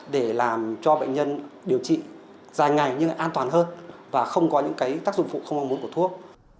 để làm cho bệnh nhân điều trị dài ngày nhưng an toàn hơn và không có những tác dụng phụ không mong muốn của thuốc